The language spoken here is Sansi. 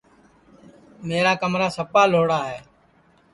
میرا کمرا سپا لھوڑا ہے